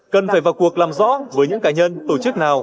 cần phải vào cuộc làm rõ với những cá nhân tổ chức nào